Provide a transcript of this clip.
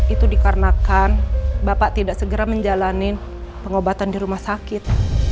itu dikarenakan bapak tidak segera menjalani pengobatan di rumah sakit